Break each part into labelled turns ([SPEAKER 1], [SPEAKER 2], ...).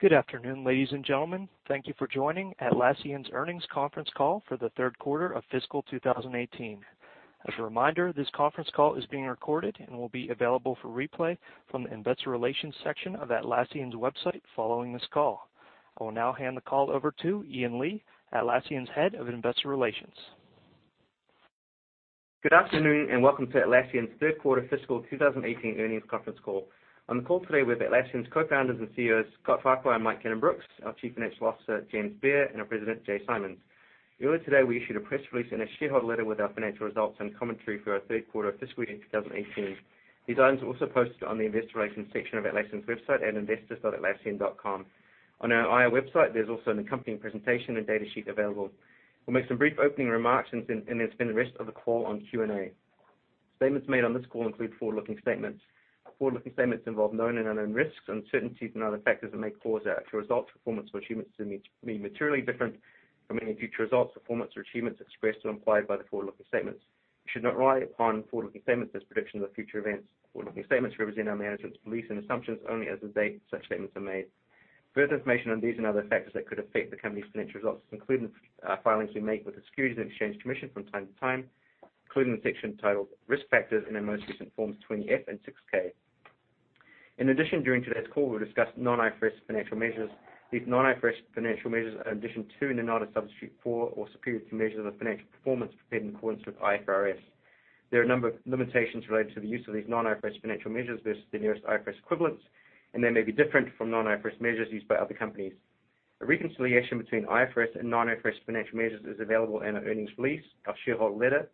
[SPEAKER 1] Good afternoon, ladies and gentlemen. Thank you for joining Atlassian's earnings conference call for the third quarter of fiscal 2018. As a reminder, this conference call is being recorded and will be available for replay from the investor relations section of Atlassian's website following this call. I will now hand the call over to Ian Lee, Atlassian's Head of Investor Relations.
[SPEAKER 2] Good afternoon and welcome to Atlassian's third quarter fiscal 2018 earnings conference call. On the call today we have Atlassian's co-founders and CEOs, Scott Farquhar and Mike Cannon-Brookes, our Chief Financial Officer, James Beer, and our President, Jay Simons. Earlier today, we issued a press release and a shareholder letter with our financial results and commentary for our third quarter of fiscal year 2018. These items are also posted on the investor relations section of Atlassian's website at investors.atlassian.com. On our IR website, there's also an accompanying presentation and data sheet available. We'll make some brief opening remarks and then spend the rest of the call on Q&A. Statements made on this call include forward-looking statements. Forward-looking statements involve known and unknown risks, uncertainties and other factors that may cause our actual results, performance or achievements to be materially different from any future results, performance or achievements expressed or implied by the forward-looking statements. You should not rely upon forward-looking statements as predictions of future events. Forward-looking statements represent our management's beliefs and assumptions only as of date such statements are made. Further information on these and other factors that could affect the company's financial results, including filings we make with the Securities and Exchange Commission from time to time, including the section titled Risk Factors in our most recent Forms 20-F and 6-K. In addition, during today's call, we'll discuss non-IFRS financial measures. These non-IFRS financial measures are an addition to, and a not a substitute for, or superior to measures of financial performance prepared in accordance with IFRS. There are a number of limitations related to the use of these non-IFRS financial measures versus the nearest IFRS equivalents, they may be different from non-IFRS measures used by other companies. A reconciliation between IFRS and non-IFRS financial measures is available in our earnings release, our shareholder letter,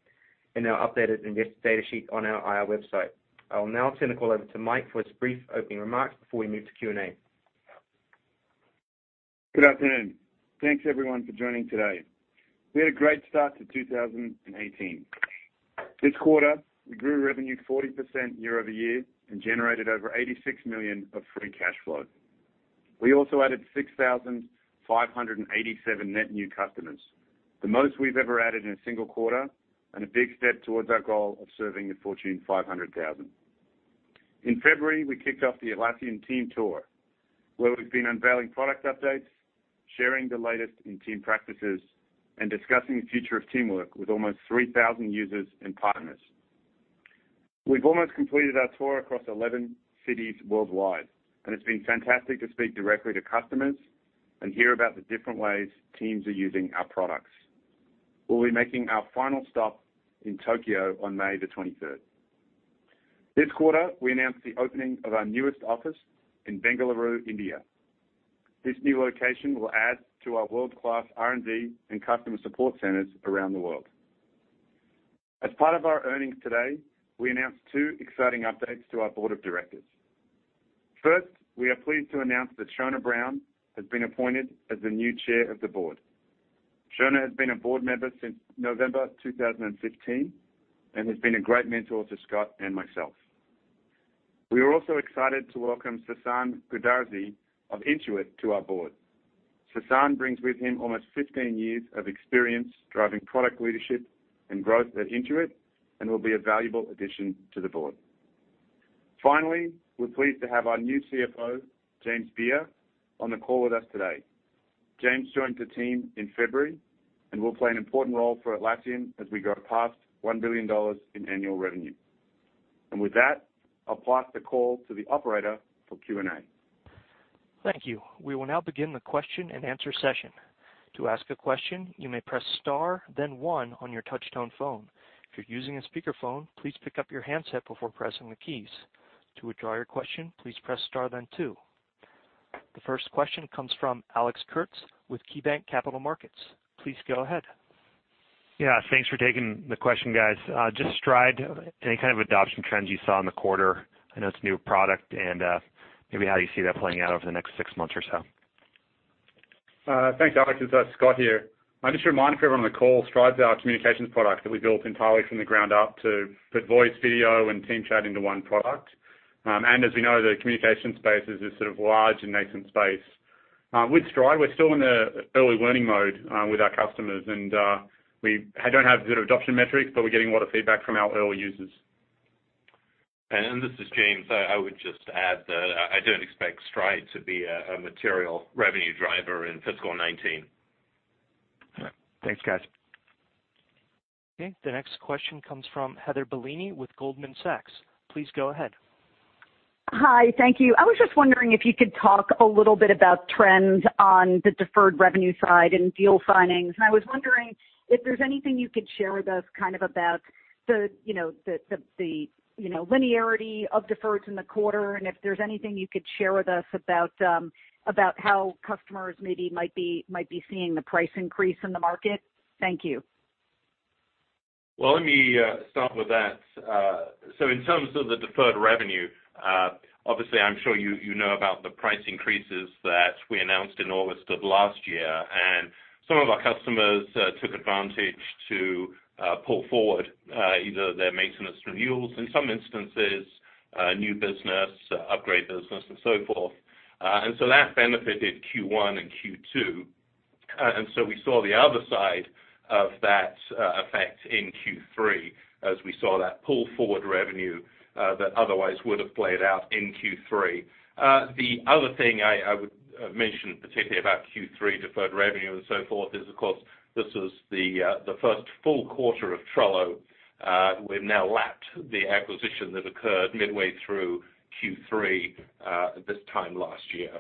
[SPEAKER 2] and our updated investor data sheet on our IR website. I will now turn the call over to Mike for his brief opening remarks before we move to Q&A.
[SPEAKER 3] Good afternoon. Thanks everyone for joining today. We had a great start to 2018. This quarter, we grew revenue 40% year-over-year and generated over $86 million of free cash flow. We also added 6,587 net new customers, the most we've ever added in a single quarter, and a big step towards our goal of serving the Fortune 500,000. In February, we kicked off the Atlassian Team Tour, where we've been unveiling product updates, sharing the latest in team practices, and discussing the future of teamwork with almost 3,000 users and partners. We've almost completed our tour across 11 cities worldwide, and it's been fantastic to speak directly to customers and hear about the different ways teams are using our products. We'll be making our final stop in Tokyo on May the 23rd. This quarter, we announced the opening of our newest office in Bengaluru, India. This new location will add to our world-class R&D and customer support centers around the world. As part of our earnings today, we announced two exciting updates to our board of directors. First, we are pleased to announce that Shona Brown has been appointed as the new chair of the board. Shona has been a board member since November 2015 and has been a great mentor to Scott and myself. We are also excited to welcome Sasan Goodarzi of Intuit to our board. Sasan brings with him almost 15 years of experience driving product leadership and growth at Intuit and will be a valuable addition to the board. Finally, we're pleased to have our new CFO, James Beer, on the call with us today. James joined the team in February and will play an important role for Atlassian as we go past $1 billion in annual revenue. With that, I'll pass the call to the operator for Q&A.
[SPEAKER 1] Thank you. We will now begin the question and answer session. To ask a question, you may press star then one on your touch tone phone. If you're using a speakerphone, please pick up your handset before pressing the keys. To withdraw your question, please press star then two. The first question comes from Alex Kurtz with KeyBanc Capital Markets. Please go ahead.
[SPEAKER 4] Yeah, thanks for taking the question, guys. Just Stride, any kind of adoption trends you saw in the quarter? I know it's a new product, and maybe how you see that playing out over the next six months or so.
[SPEAKER 5] Thanks, Alex. It's Scott here. Just a reminder for everyone on the call, Stride's our communications product that we built entirely from the ground up to put voice, video, and team chat into one product. As we know, the communication space is this sort of large and nascent space. With Stride, we're still in the early learning mode with our customers, and we don't have good adoption metrics, but we're getting a lot of feedback from our early users.
[SPEAKER 6] This is James. I would just add that I don't expect Stride to be a material revenue driver in fiscal 2019.
[SPEAKER 4] All right. Thanks, guys.
[SPEAKER 1] Okay. The next question comes from Heather Bellini with Goldman Sachs. Please go ahead.
[SPEAKER 7] Hi. Thank you. I was just wondering if you could talk a little bit about trends on the deferred revenue side and deal signings. I was wondering if there's anything you could share with us, kind of about the linearity of deferreds in the quarter, and if there's anything you could share with us about how customers maybe might be seeing the price increase in the market. Thank you.
[SPEAKER 6] Well, let me start with that. In terms of the deferred revenue, obviously I'm sure you know about the price increases that we announced in August of last year. Some of our customers took advantage to pull forward either their maintenance renewals, in some instances, new business, upgrade business and so forth. So that benefited Q1 and Q2. So we saw the other side of that effect in Q3, as we saw that pull forward revenue that otherwise would've played out in Q3. The other thing I would mention particularly about Q3 deferred revenue and so forth, is of course, this was the first full quarter of Trello. We've now lapped the acquisition that occurred midway through Q3 this time last year.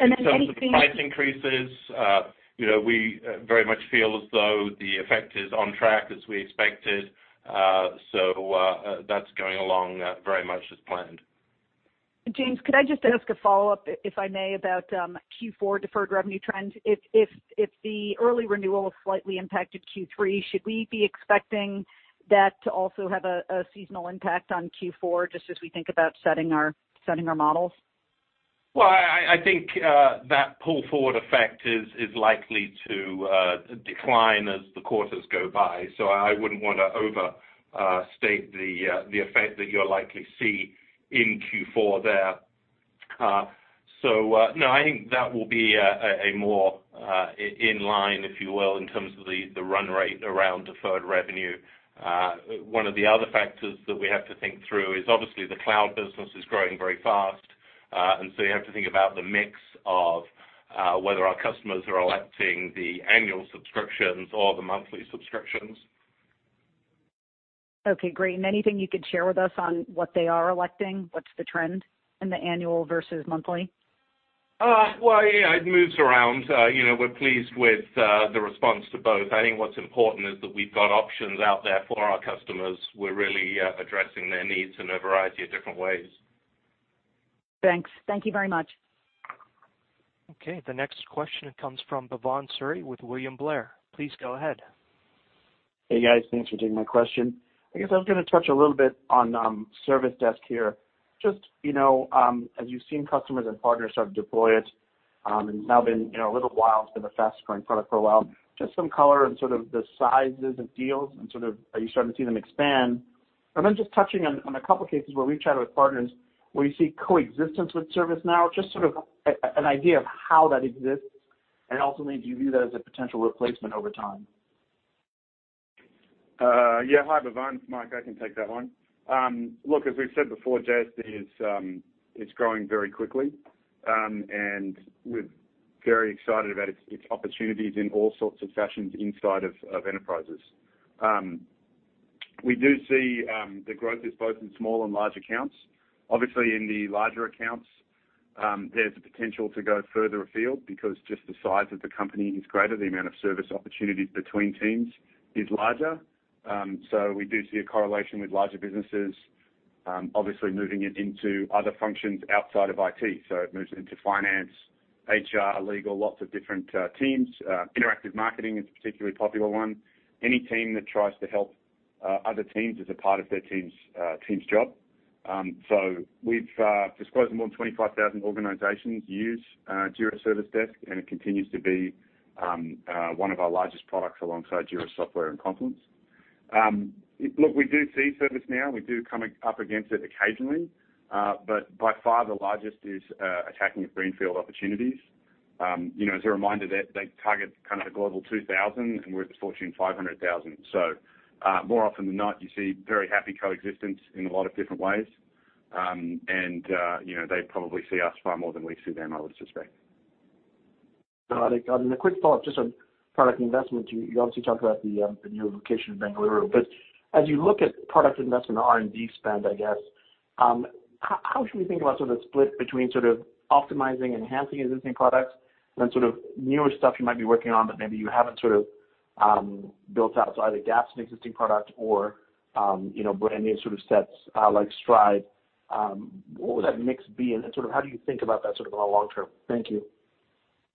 [SPEAKER 7] anything
[SPEAKER 6] In terms of price increases, we very much feel as though the effect is on track as we expected. That's going along very much as planned.
[SPEAKER 7] James, could I just ask a follow-up, if I may, about Q4 deferred revenue trends? If the early renewal slightly impacted Q3, should we be expecting that to also have a seasonal impact on Q4 just as we think about setting our models?
[SPEAKER 6] Well, I think that pull forward effect is likely to decline as the quarters go by, so I wouldn't want to overstate the effect that you'll likely see in Q4 there. No, I think that will be more in line, if you will, in terms of the run rate around deferred revenue. One of the other factors that we have to think through is obviously the cloud business is growing very fast. You have to think about the mix of whether our customers are electing the annual subscriptions or the monthly subscriptions.
[SPEAKER 7] Okay, great. Anything you could share with us on what they are electing? What's the trend in the annual versus monthly?
[SPEAKER 6] Well, yeah, it moves around. We're pleased with the response to both. I think what's important is that we've got options out there for our customers. We're really addressing their needs in a variety of different ways.
[SPEAKER 7] Thanks. Thank you very much.
[SPEAKER 1] Okay, the next question comes from Bhavan Suri with William Blair. Please go ahead.
[SPEAKER 8] Hey, guys. Thanks for taking my question. I guess I was going to touch a little bit on Service Desk here. As you've seen customers and partners sort of deploy it, and it's now been a little while, it's been a fast-growing product for a while. Some color and sort of the sizes of deals and sort of, are you starting to see them expand? Touching on a couple cases where we've chatted with partners where you see coexistence with ServiceNow, just sort of an idea of how that exists. Ultimately, do you view that as a potential replacement over time?
[SPEAKER 3] Yeah. Hi, Bhavan. It's Mike, I can take that one. As we've said before, JSD, it's growing very quickly. We're very excited about its opportunities in all sorts of fashions inside of enterprises. We do see the growth is both in small and large accounts. Obviously, in the larger accounts, there's a potential to go further afield because just the size of the company is greater, the amount of service opportunities between teams is larger. We do see a correlation with larger businesses obviously moving it into other functions outside of IT. It moves into finance, HR, legal, lots of different teams. Interactive marketing is a particularly popular one. Any team that tries to help other teams as a part of their team's job. We've disclosed more than 25,000 organizations use Jira Service Desk, and it continues to be one of our largest products alongside Jira Software and Confluence. We do see ServiceNow. We do come up against it occasionally. By far the largest is attacking greenfield opportunities. As a reminder, they target kind of the Forbes Global 2000, and we're the Fortune 500,000. More often than not, you see very happy coexistence in a lot of different ways. They probably see us far more than we see them, I would suspect.
[SPEAKER 8] Got it. A quick thought just on product investment. You obviously talked about the new location in Bengaluru. As you look at product investment, R&D spend, I guess, how should we think about sort of the split between sort of optimizing, enhancing existing products and sort of newer stuff you might be working on but maybe you haven't sort of built out? Either gaps in existing product or brand new sort of sets, like Stride. What would that mix be, and how do you think about that sort of on a long term? Thank you.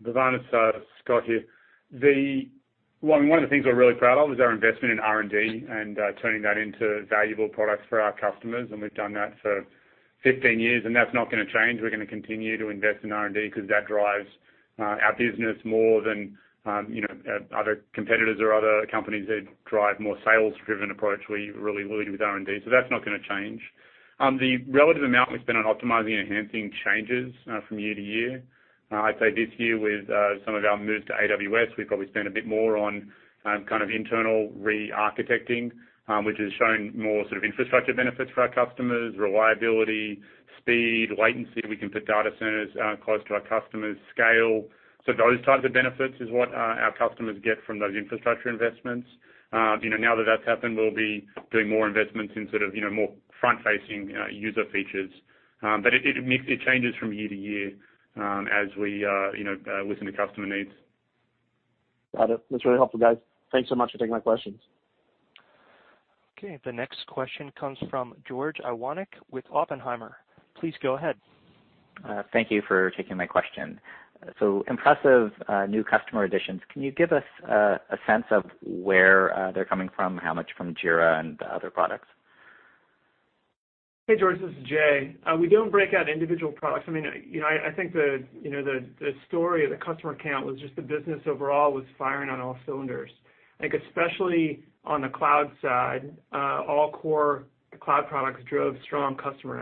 [SPEAKER 5] Bhavan, it's Scott here. One of the things we're really proud of is our investment in R&D and turning that into valuable products for our customers, and we've done that for 15 years, that's not going to change. We're going to continue to invest in R&D because that drives our business more than other competitors or other companies that drive more sales-driven approach. We really lead with R&D, that's not going to change. The relative amount we spend on optimizing and enhancing changes from year to year. I'd say this year with some of our moves to AWS, we've probably spent a bit more on kind of internal re-architecting, which has shown more sort of infrastructure benefits for our customers, reliability, speed, latency, we can put data centers close to our customers, scale. Those types of benefits is what our customers get from those infrastructure investments.
[SPEAKER 3] Now that that's happened, we'll be doing more investments in sort of more front-facing user features. It changes from year to year as we listen to customer needs.
[SPEAKER 8] Got it. That's really helpful, guys. Thanks so much for taking my questions.
[SPEAKER 1] The next question comes from George Iwanyc with Oppenheimer. Please go ahead.
[SPEAKER 9] Thank you for taking my question. Impressive new customer additions. Can you give us a sense of where they're coming from, how much from Jira and other products?
[SPEAKER 10] Hey, George, this is Jay. We don't break out individual products. I think the story of the customer count was just the business overall was firing on all cylinders. I think especially on the cloud side, all core cloud products drove strong customer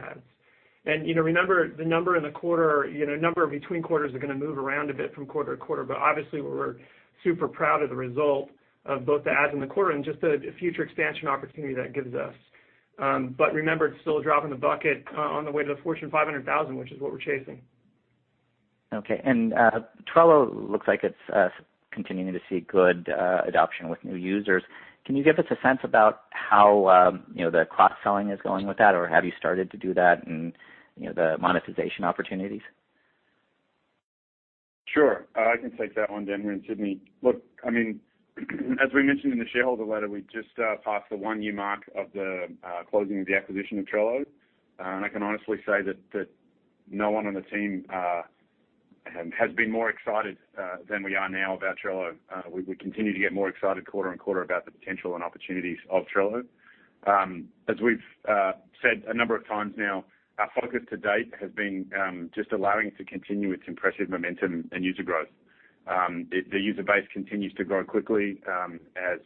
[SPEAKER 10] adds. Remember the number in the quarter, number between quarters are going to move around a bit from quarter to quarter, obviously we're super proud of the result of both the adds and the quarter and just the future expansion opportunity that gives us. Remember, it's still a drop in the bucket on the way to the Fortune 500,000, which is what we're chasing.
[SPEAKER 9] Okay. Trello looks like it's continuing to see good adoption with new users. Can you give us a sense about how the cross-selling is going with that, or have you started to do that and the monetization opportunities?
[SPEAKER 3] Sure. I can take that one down here in Sydney. As we mentioned in the shareholder letter, we just passed the one-year mark of the closing of the acquisition of Trello. I can honestly say that no one on the team has been more excited than we are now about Trello. We continue to get more excited quarter on quarter about the potential and opportunities of Trello. As we've said a number of times now, our focus to date has been just allowing it to continue its impressive momentum and user growth. The user base continues to grow quickly as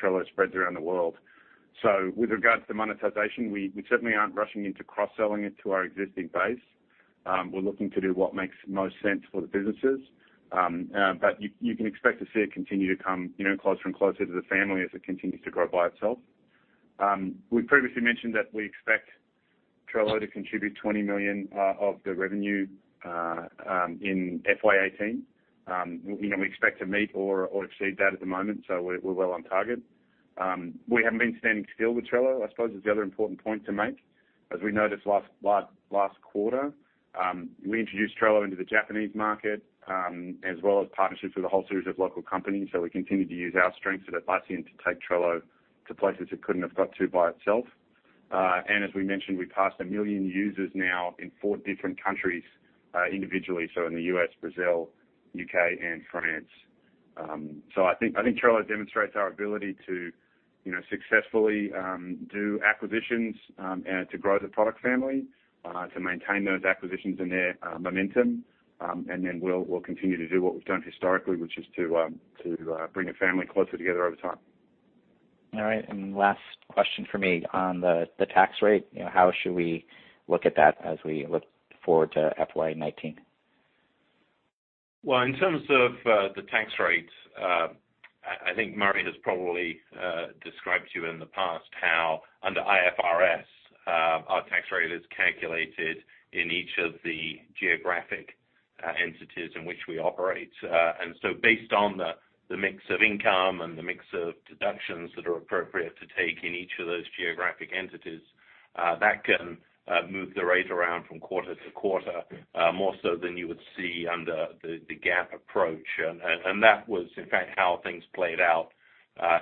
[SPEAKER 3] Trello spreads around the world. With regards to monetization, we certainly aren't rushing into cross-selling it to our existing base. We're looking to do what makes the most sense for the businesses. You can expect to see it continue to come closer and closer to the family as it continues to grow by itself. We previously mentioned that we expect Trello to contribute $20 million of the revenue in FY 2018. We expect to meet or exceed that at the moment, we're well on target. We haven't been standing still with Trello, I suppose, is the other important point to make. As we noticed last quarter, we introduced Trello into the Japanese market, as well as partnerships with a whole series of local companies. We continued to use our strengths at Atlassian to take Trello to places it couldn't have got to by itself. As we mentioned, we passed 1 million users now in four different countries individually. In the U.S., Brazil, U.K. and France. I think Trello demonstrates our ability to successfully do acquisitions and to grow the product family, to maintain those acquisitions and their momentum. We'll continue to do what we've done historically, which is to bring a family closer together over time.
[SPEAKER 9] All right. Last question from me. On the tax rate, how should we look at that as we look forward to FY 2019?
[SPEAKER 6] Well, in terms of the tax rate, I think Murray has probably described to you in the past how, under IFRS, our tax rate is calculated in each of the geographic entities in which we operate. Based on the mix of income and the mix of deductions that are appropriate to take in each of those geographic entities, that can move the rate around from quarter to quarter, more so than you would see under the GAAP approach. That was, in fact, how things played out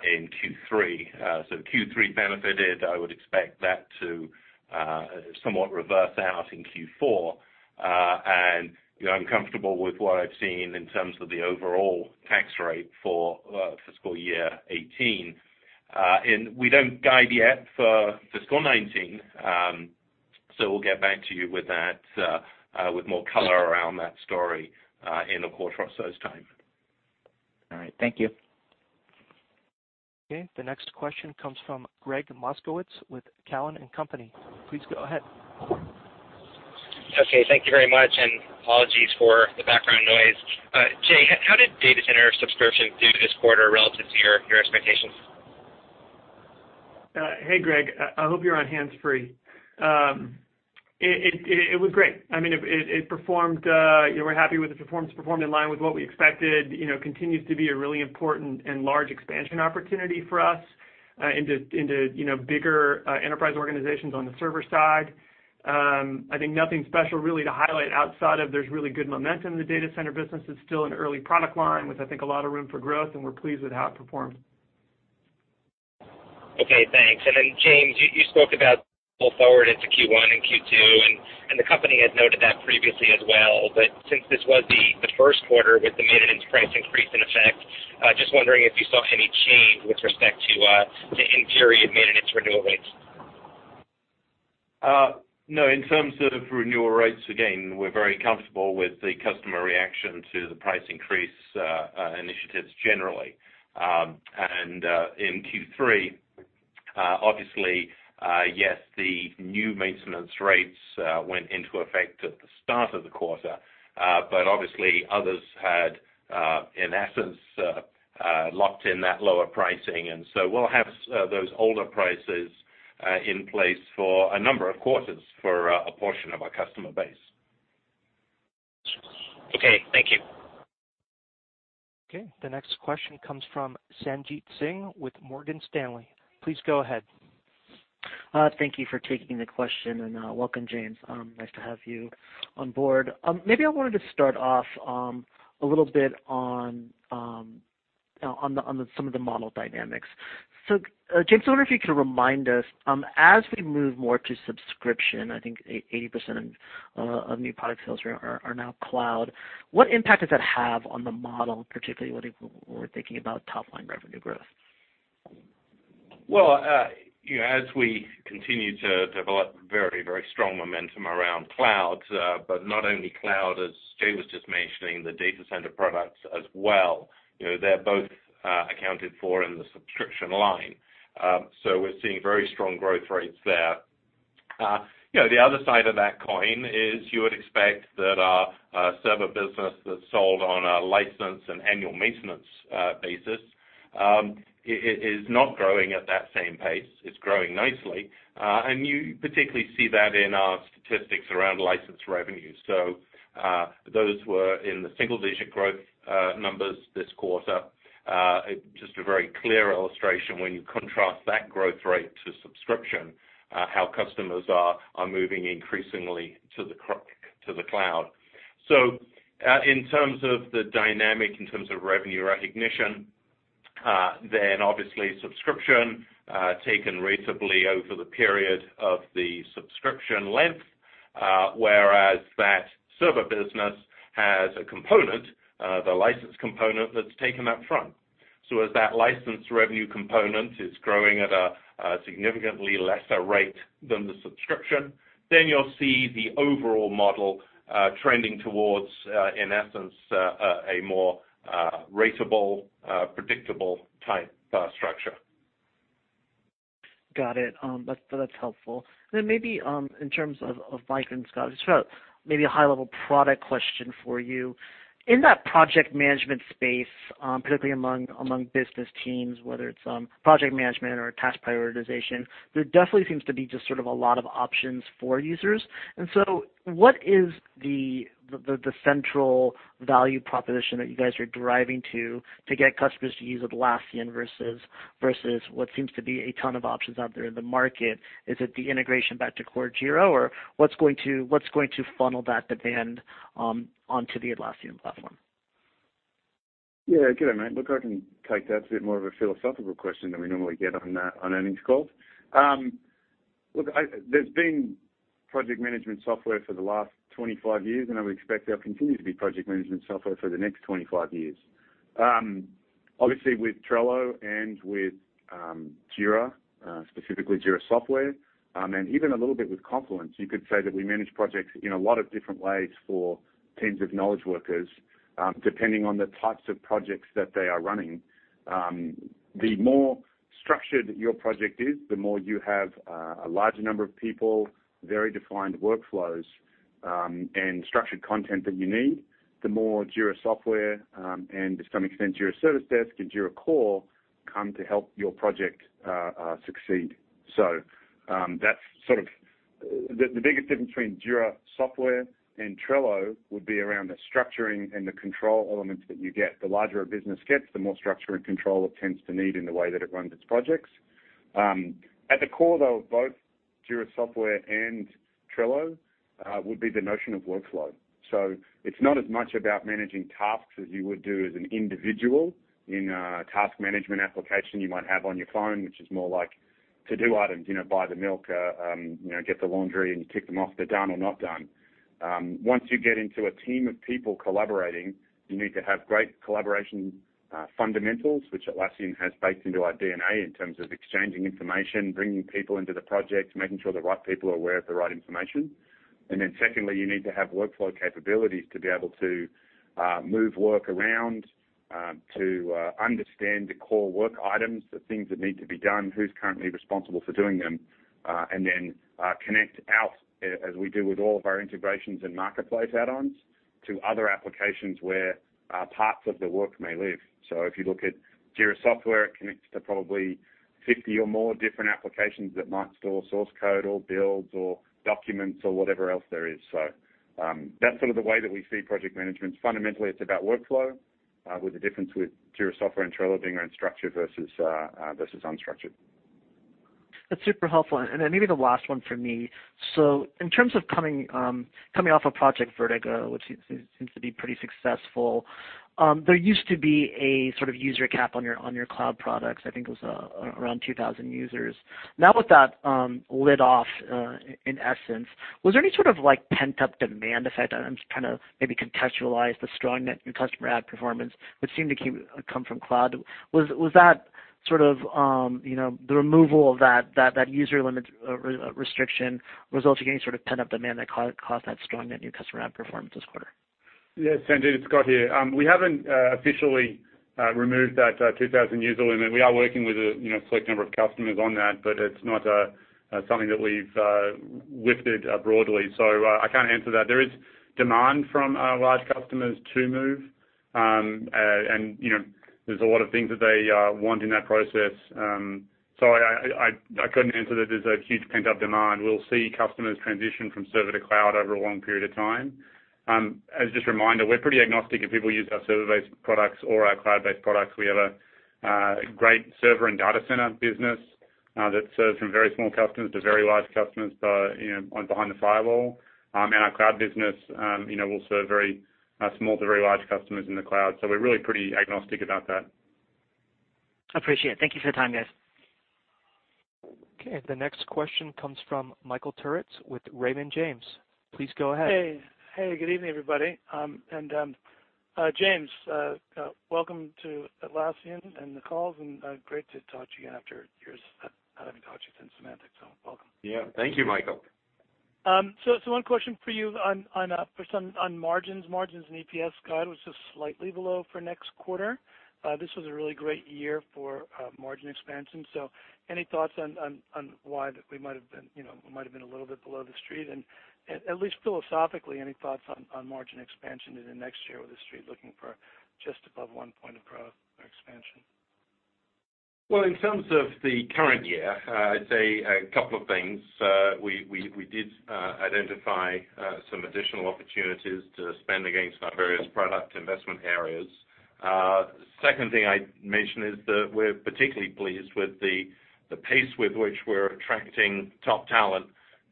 [SPEAKER 6] in Q3. Q3 benefited. I would expect that to somewhat reverse out in Q4. I'm comfortable with what I've seen in terms of the overall tax rate for fiscal year 18. We don't guide yet for fiscal 19. We'll get back to you with that, with more color around that story in a quarter or so's time.
[SPEAKER 9] All right. Thank you.
[SPEAKER 1] Okay. The next question comes from Gregg Moskowitz with Cowen and Company. Please go ahead.
[SPEAKER 11] Okay. Thank you very much, and apologies for the background noise. Jay, how did data center subscription do this quarter relative to your expectations?
[SPEAKER 10] Hey, Gregg. I hope you're on hands-free. It was great. We're happy with the performance. Performed in line with what we expected, continues to be a really important and large expansion opportunity for us into bigger enterprise organizations on the server side. I think nothing special really to highlight outside of there's really good momentum in the data center business. It's still an early product line with, I think, a lot of room for growth, and we're pleased with how it performed.
[SPEAKER 11] Okay. Thanks. James, you spoke about pull forward into Q1 and Q2, and the company had noted that previously as well. Since this was the first quarter with the maintenance price increase in effect, just wondering if you saw any change with respect to in-period maintenance renewal rates?
[SPEAKER 6] No, in terms of renewal rates, again, we're very comfortable with the customer reaction to the price increase initiatives generally. In Q3, obviously, yes, the new maintenance rates went into effect at the start of the quarter. Obviously others had, in essence, locked in that lower pricing. We'll have those older prices in place for a number of quarters for a portion of our customer base.
[SPEAKER 11] Okay. Thank you.
[SPEAKER 1] Okay. The next question comes from Sanjit Singh with Morgan Stanley. Please go ahead.
[SPEAKER 12] Thank you for taking the question, and welcome, James. Nice to have you on board. Maybe I wanted to start off a little bit on some of the model dynamics. James, I wonder if you can remind us, as we move more to subscription, I think 80% of new product sales are now cloud. What impact does that have on the model, particularly when we're thinking about top-line revenue growth?
[SPEAKER 6] Well, as we continue to develop very strong momentum around cloud, but not only cloud, as Jay was just mentioning, the data center products as well. They're both accounted for in the subscription line. We're seeing very strong growth rates there. The other side of that coin is you would expect that our server business that's sold on a license and annual maintenance basis is not growing at that same pace. It's growing nicely. And you particularly see that in our statistics around license revenue. Those were in the single-digit growth numbers this quarter. Just a very clear illustration when you contrast that growth rate to subscription, how customers are moving increasingly to the cloud. In terms of the dynamic, in terms of revenue recognition, obviously subscription taken ratably over the period of the subscription length, whereas that server business has a component, the license component that's taken up front. As that license revenue component is growing at a significantly lesser rate than the subscription, you'll see the overall model trending towards, in essence, a more ratable, predictable type structure.
[SPEAKER 12] That's helpful. Maybe in terms of Mike and Scott, just sort of maybe a high-level product question for you. In that project management space, particularly among business teams, whether it's project management or task prioritization, there definitely seems to be just sort of a lot of options for users. What is the central value proposition that you guys are deriving to get customers to use Atlassian versus what seems to be a ton of options out there in the market? Is it the integration back to core Jira, or what's going to funnel that demand onto the Atlassian platform?
[SPEAKER 3] Yeah. Good day, mate. I can take that. It's a bit more of a philosophical question than we normally get on earnings calls. There's been project management software for the last 25 years, I would expect there'll continue to be project management software for the next 25 years. Obviously, with Trello and with Jira, specifically Jira Software, and even a little bit with Confluence, you could say that we manage projects in a lot of different ways for teams of knowledge workers, depending on the types of projects that they are running. The more structured your project is, the more you have a larger number of people, very defined workflows, and structured content that you need, the more Jira Software, and to some extent, Jira Service Desk and Jira Core, come to help your project succeed. The biggest difference between Jira Software and Trello would be around the structuring and the control elements that you get. The larger a business gets, the more structure and control it tends to need in the way that it runs its projects. At the core, though, of both Jira Software and Trello, would be the notion of workflow. It's not as much about managing tasks as you would do as an individual in a task management application you might have on your phone, which is more like to-do items, buy the milk, get the laundry, you tick them off, they're done or not done. Once you get into a team of people collaborating, you need to have great collaboration fundamentals, which Atlassian has baked into our DNA in terms of exchanging information, bringing people into the project, making sure the right people are aware of the right information. Secondly, you need to have workflow capabilities to be able to move work around, to understand the core work items, the things that need to be done, who's currently responsible for doing them, then connect out, as we do with all of our integrations and marketplace add-ons, to other applications where parts of the work may live. If you look at Jira Software, it connects to probably 50 or more different applications that might store source code or builds or documents or whatever else there is. That's sort of the way that we see project management. Fundamentally, it's about workflow, with the difference with Jira Software and Trello being around structured versus unstructured.
[SPEAKER 12] That's super helpful. Maybe the last one for me. In terms of coming off of Project Vertigo, which seems to be pretty successful, there used to be a sort of user cap on your cloud products. I think it was around 2,000 users. With that lid off, in essence, was there any sort of pent-up demand effect that kind of maybe contextualized the strong net new customer add performance, which seemed to come from cloud? Was that sort of the removal of that user limit restriction resulting in any sort of pent-up demand that caused that strong net new customer add performance this quarter?
[SPEAKER 5] Sanjit, it's Scott here. We haven't officially removed that 2,000 user limit. We are working with a select number of customers on that, but it's not something that we've lifted broadly. I can't answer that. There is demand from large customers to move. There's a lot of things that they want in that process. Sorry, I couldn't answer that there's a huge pent-up demand. We'll see customers transition from server to cloud over a long period of time. As just a reminder, we're pretty agnostic if people use our server-based products or our cloud-based products. We have a great server and data center business that serves from very small customers to very large customers behind the firewall. Our cloud business will serve very small to very large customers in the cloud. We're really pretty agnostic about that.
[SPEAKER 12] Appreciate it. Thank you for your time, guys.
[SPEAKER 1] The next question comes from Michael Turits with Raymond James. Please go ahead.
[SPEAKER 13] Hey. Good evening, everybody. James, welcome to Atlassian and the calls, great to talk to you again after years of having talked to you since Symantec, welcome.
[SPEAKER 6] Yeah. Thank you, Michael.
[SPEAKER 13] One question for you on margins. Margins and EPS guide was just slightly below for next quarter. This was a really great year for margin expansion, any thoughts on why we might have been a little bit below The Street? At least philosophically, any thoughts on margin expansion in the next year with The Street looking for just above one point of growth or expansion?
[SPEAKER 6] Well, in terms of the current year, I'd say a couple of things. We did identify some additional opportunities to spend against our various product investment areas. Second thing I'd mention is that we're particularly pleased with the pace with which we're attracting top talent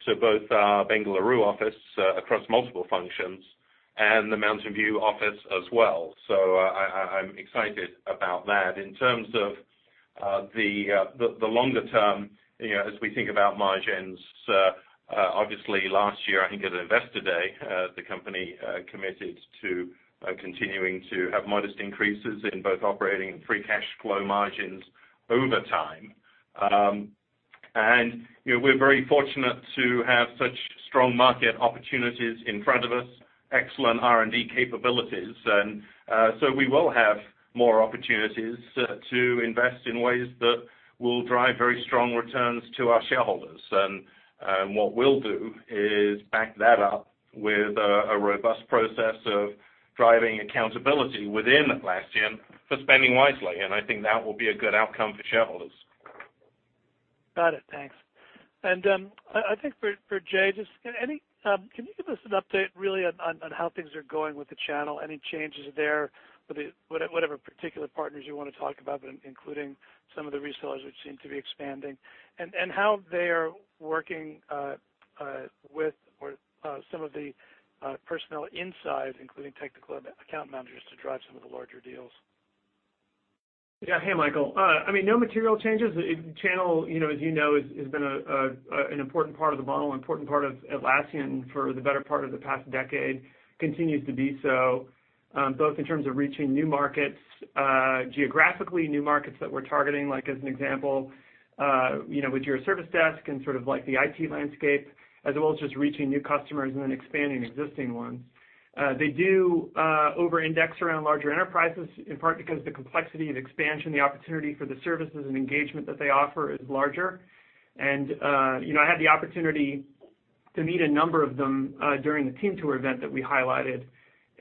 [SPEAKER 6] to both our Bengaluru office across multiple functions and the Mountain View office as well. I'm excited about that. In terms of the longer term, as we think about margins, obviously last year, I think at Investor Day, the company committed to continuing to have modest increases in both operating and free cash flow margins over time. We're very fortunate to have such strong market opportunities in front of us, excellent R&D capabilities. We will have more opportunities to invest in ways that will drive very strong returns to our shareholders. What we'll do is back that up with a robust process of driving accountability within Atlassian for spending wisely. I think that will be a good outcome for shareholders.
[SPEAKER 13] Got it. Thanks. I think for Jay, can you give us an update really on how things are going with the channel? Any changes there, whatever particular partners you want to talk about, but including some of the resellers which seem to be expanding? How they are working with some of the personnel inside, including technical account managers, to drive some of the larger deals.
[SPEAKER 10] Yeah. Hey, Michael. No material changes. Channel, as you know, has been an important part of the model, important part of Atlassian for the better part of the past decade. Continues to be so, both in terms of reaching new markets geographically, new markets that we're targeting, like as an example, with Jira Service Desk and sort of like the IT landscape, as well as just reaching new customers and then expanding existing ones. They do over-index around larger enterprises, in part because the complexity of expansion, the opportunity for the services and engagement that they offer is larger. I had the opportunity to meet a number of them during the Atlassian Team Tour event that we highlighted.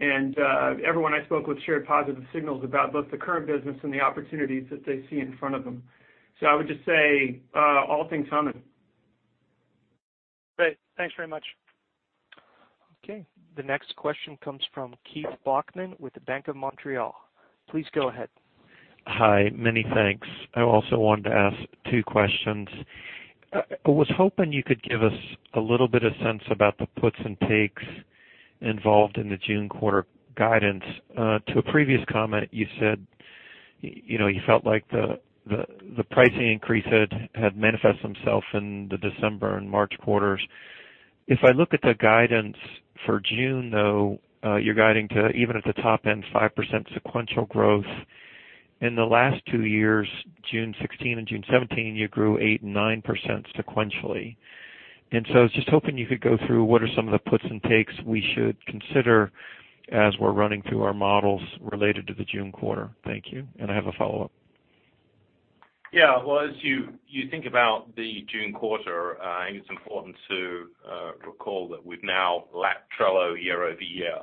[SPEAKER 10] Everyone I spoke with shared positive signals about both the current business and the opportunities that they see in front of them. I would just say all things on it.
[SPEAKER 13] Great. Thanks very much.
[SPEAKER 1] Okay. The next question comes from Keith Bachman with Bank of Montreal. Please go ahead.
[SPEAKER 14] Hi. Many thanks. I also wanted to ask two questions. I was hoping you could give us a little bit of sense about the puts and takes involved in the June quarter guidance. To a previous comment, you said you felt like the pricing increase had manifested itself in the December and March quarters. If I look at the guidance for June, though, you're guiding to even at the top end, 5% sequential growth. In the last two years, June 2016 and June 2017, you grew 8% and 9% sequentially. I was just hoping you could go through what are some of the puts and takes we should consider as we're running through our models related to the June quarter. Thank you. I have a follow-up.
[SPEAKER 6] Yeah. Well, as you think about the June quarter, I think it's important to recall that we've now lapped Trello year-over-year.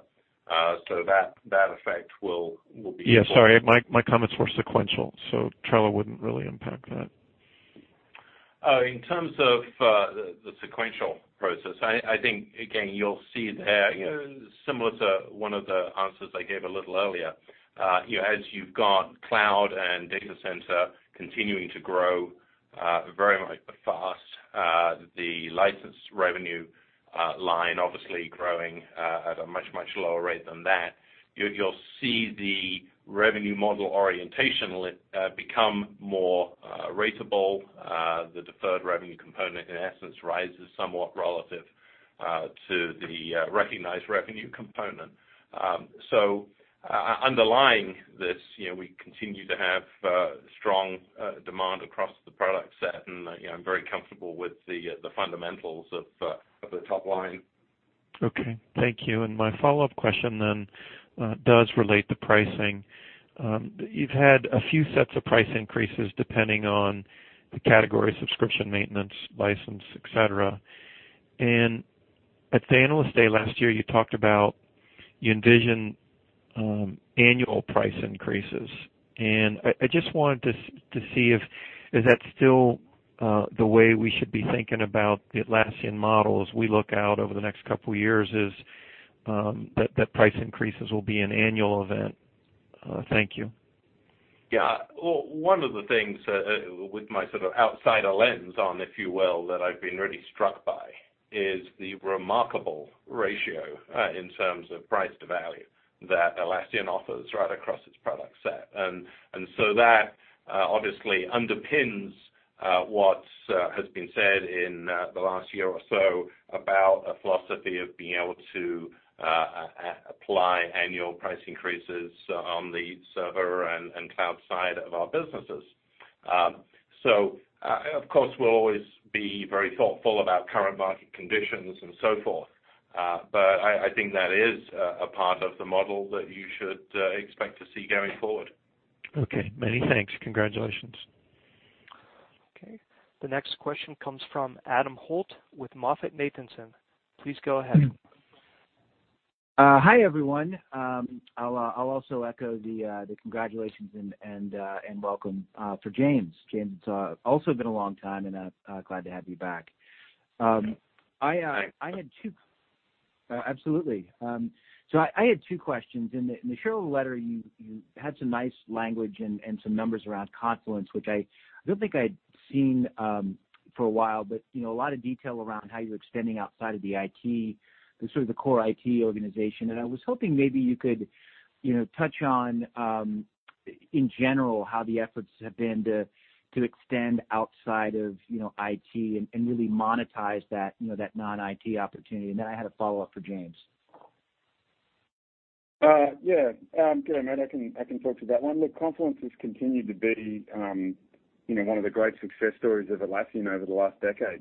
[SPEAKER 6] That effect will be-
[SPEAKER 14] Yeah, sorry. My comments were sequential, Trello wouldn't really impact that.
[SPEAKER 6] In terms of the sequential process, I think, again, you'll see there, similar to one of the answers I gave a little earlier, as you've got cloud and data center continuing to grow very much, but fast, the license revenue line obviously growing at a much, much lower rate than that. You'll see the revenue model orientation become more ratable. The deferred revenue component, in essence, rises somewhat relative to the recognized revenue component. Underlying this, we continue to have strong demand across the product set, and I'm very comfortable with the fundamentals of the top line.
[SPEAKER 14] Okay. Thank you. My follow-up question does relate to pricing. You've had a few sets of price increases depending on the category, subscription, maintenance, license, et cetera. At the Analyst Day last year, you talked about you envision annual price increases. I just wanted to see if, is that still the way we should be thinking about the Atlassian model as we look out over the next couple of years, is that price increases will be an annual event? Thank you.
[SPEAKER 6] Yeah. One of the things with my sort of outsider lens on, if you will, that I've been really struck by is the remarkable ratio in terms of price to value that Atlassian offers right across its product set. That obviously underpins what has been said in the last year or so about a philosophy of being able to apply annual price increases on the server and cloud side of our businesses. Of course, we'll always be very thoughtful about current market conditions and so forth, but I think that is a part of the model that you should expect to see going forward.
[SPEAKER 14] Okay. Many thanks. Congratulations.
[SPEAKER 1] Okay. The next question comes from Adam Holt with MoffettNathanson. Please go ahead.
[SPEAKER 15] Hi, everyone. I'll also echo the congratulations and welcome for James. James, it's also been a long time, and I'm glad to have you back. Absolutely. I had two questions. In the shareholder letter, you had some nice language and some numbers around Confluence, which I don't think I'd seen for a while, but a lot of detail around how you're extending outside of the core IT organization. I was hoping maybe you could touch on, in general, how the efforts have been to extend outside of IT and really monetize that non-IT opportunity. I had a follow-up for James.
[SPEAKER 3] Yeah. Good, mate, I can talk to that one. Look, Confluence has continued to be one of the great success stories of Atlassian over the last decade.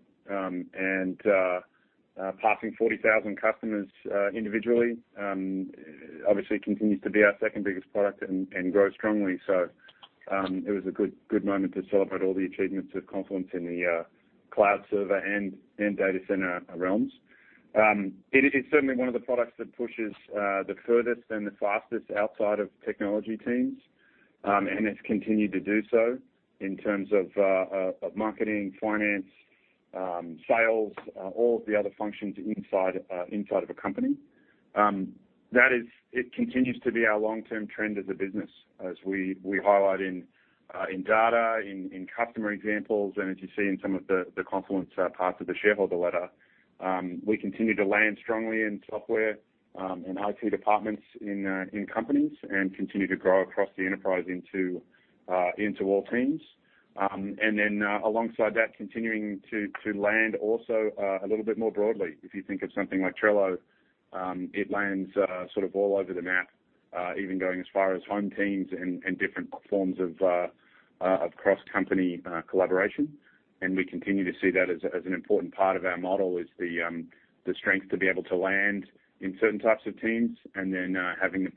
[SPEAKER 3] Passing 40,000 customers individually, obviously continues to be our second biggest product and grows strongly. It was a good moment to celebrate all the achievements of Confluence in the cloud server and data center realms. It is certainly one of the products that pushes the furthest and the fastest outside of technology teams, and it's continued to do so in terms of marketing, finance, sales, all of the other functions inside of a company. It continues to be our long-term trend as a business, as we highlight in data, in customer examples, and as you see in some of the Confluence parts of the shareholder letter. We continue to land strongly in software, in IT departments, in companies, and continue to grow across the enterprise into all teams. Alongside that, continuing to land also a little bit more broadly. If you think of something like Trello, it lands sort of all over the map, even going as far as home teams and different forms of cross-company collaboration. We continue to see that as an important part of our model, is the strength to be able to land in certain types of teams, and then having the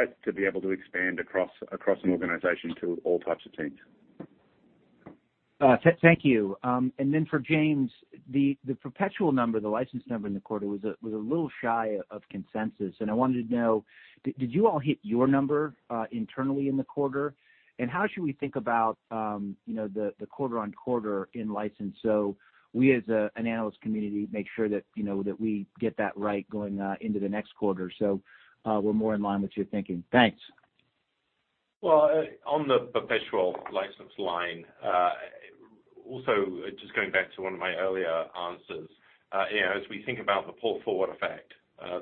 [SPEAKER 3] product depth and breadth to be able to expand across an organization to all types of teams.
[SPEAKER 15] For James, the perpetual number, the license number in the quarter was a little shy of consensus. I wanted to know, did you all hit your number internally in the quarter? How should we think about the quarter-on-quarter in license, so we, as an analyst community, make sure that we get that right going into the next quarter, so we're more in line with your thinking? Thanks.
[SPEAKER 6] On the perpetual license line, also just going back to one of my earlier answers, as we think about the pull forward effect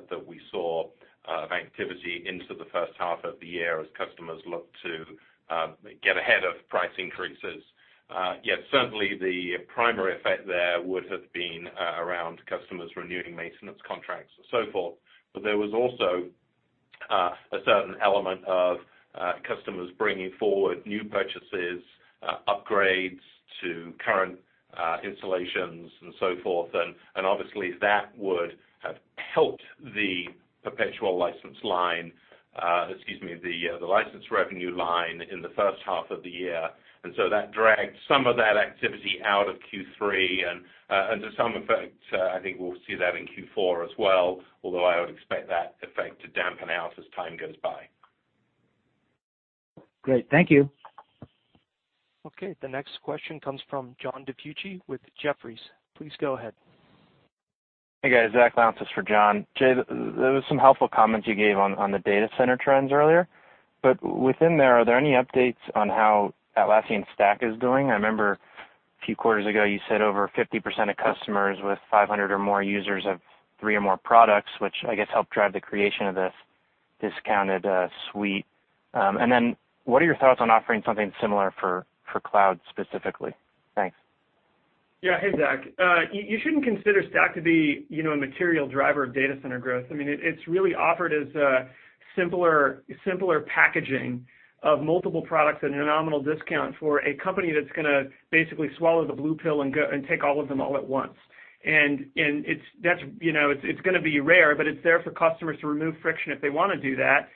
[SPEAKER 6] that we saw of activity into the first half of the year as customers look to get ahead of price increases. Certainly the primary effect there would have been around customers renewing maintenance contracts and so forth, but there was also a certain element of customers bringing forward new purchases, upgrades to current installations and so forth. Obviously, that would have helped the license revenue line in the first half of the year. That dragged some of that activity out of Q3, and to some effect, I think we'll see that in Q4 as well, although I would expect that effect to dampen out as time goes by.
[SPEAKER 15] Great. Thank you.
[SPEAKER 1] The next question comes from John DiFucci with Jefferies. Please go ahead.
[SPEAKER 16] Hey, guys. Zach Lountzis for John. Jay, there was some helpful comments you gave on the data center trends earlier. Within there, are there any updates on how Atlassian Stack is doing? I remember a few quarters ago you said over 50% of customers with 500 or more users have three or more products, which I guess helped drive the creation of this discounted suite. What are your thoughts on offering something similar for cloud specifically? Thanks.
[SPEAKER 10] Yeah. Hey, Zach. You shouldn't consider Stack to be a material driver of data center growth. It's really offered as a simpler packaging of multiple products at a nominal discount for a company that's going to basically swallow the blue pill and take all of them all at once. It's going to be rare, but it's there for customers to remove friction if they want to do that,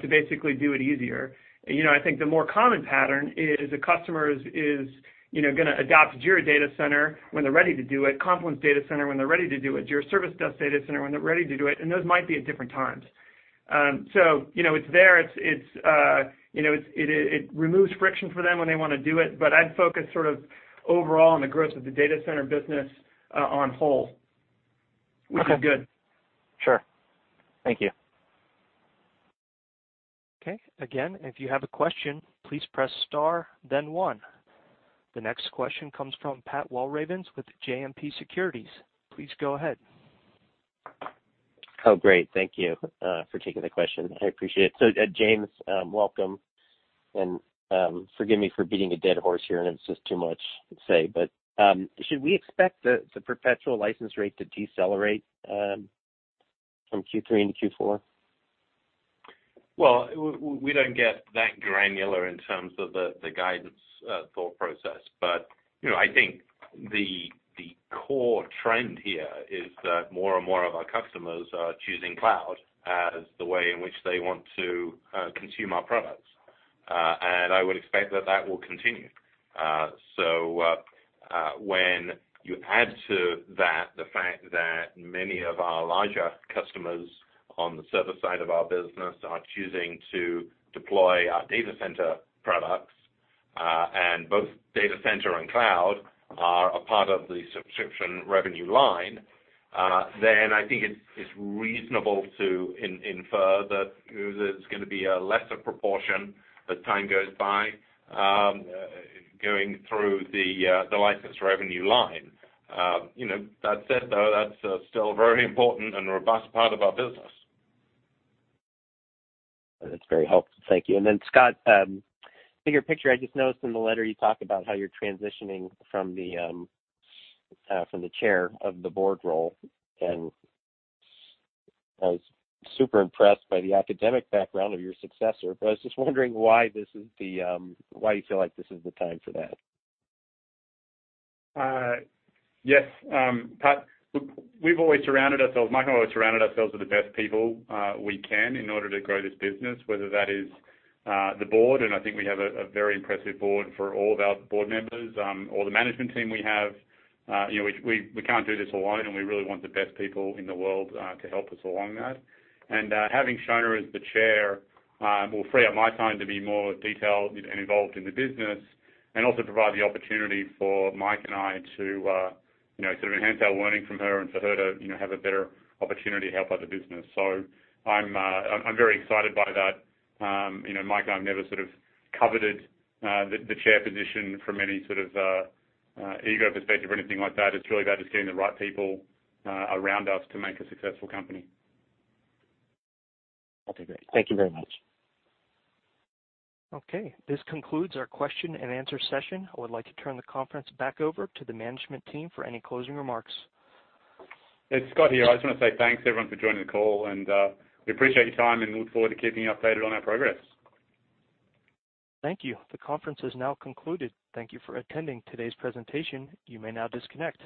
[SPEAKER 10] to basically do it easier. I think the more common pattern is a customer is going to adopt Jira data center when they're ready to do it, Confluence data center when they're ready to do it, Jira Service Desk data center when they're ready to do it, and those might be at different times. It's there. It removes friction for them when they want to do it, I'd focus sort of overall on the growth of the data center business on whole.
[SPEAKER 16] Okay.
[SPEAKER 10] Which is good.
[SPEAKER 16] Sure. Thank you.
[SPEAKER 1] Okay. Again, if you have a question, please press star then one. The next question comes from Pat Walravens with JMP Securities. Please go ahead.
[SPEAKER 17] Oh, great. Thank you for taking the question. I appreciate it. James, welcome, and forgive me for beating a dead horse here, and it's just too much to say, but should we expect the perpetual license rate to decelerate? From Q3 into Q4?
[SPEAKER 6] Well, we don't get that granular in terms of the guidance thought process. I think the core trend here is that more and more of our customers are choosing cloud as the way in which they want to consume our products. I would expect that that will continue. When you add to that the fact that many of our larger customers on the server side of our business are choosing to deploy our data center products, and both data center and cloud are a part of the subscription revenue line, then I think it's reasonable to infer that there's going to be a lesser proportion as time goes by, going through the license revenue line. That said, though, that's still a very important and robust part of our business.
[SPEAKER 17] That's very helpful. Thank you. Scott, bigger picture, I just noticed in the letter you talk about how you're transitioning from the Chair of the Board role, and I was super impressed by the academic background of your successor, but I was just wondering why you feel like this is the time for that.
[SPEAKER 5] Yes, Pat, look, Mike and I have always surrounded ourselves with the best people we can in order to grow this business, whether that is the Board, and I think we have a very impressive Board for all of our Board members, or the management team we have. We can't do this alone, and we really want the best people in the world to help us along that. Having Shona as the Chair will free up my time to be more detailed and involved in the business, also provide the opportunity for Mike and I to sort of enhance our learning from her and for her to have a better opportunity to help out the business. I'm very excited by that. Mike and I have never sort of coveted the Chair position from any sort of ego perspective or anything like that. It's really about just getting the right people around us to make a successful company.
[SPEAKER 17] Okay, great. Thank you very much.
[SPEAKER 1] Okay, this concludes our question and answer session. I would like to turn the conference back over to the management team for any closing remarks.
[SPEAKER 5] It's Scott here. I just want to say thanks, everyone, for joining the call, and we appreciate your time and look forward to keeping you updated on our progress.
[SPEAKER 1] Thank you. The conference has now concluded. Thank you for attending today's presentation. You may now disconnect.